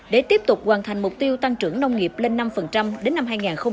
để tiếp tục hoàn thành mục tiêu tăng trưởng nông nghiệp lên năm đến năm hai nghìn ba mươi